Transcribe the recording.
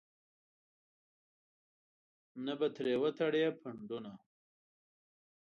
نه به ترې وتړې پنډونه.